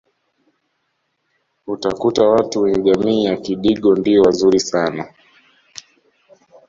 utakuta watu wenye jamii ya kidigo ndio wazuri sana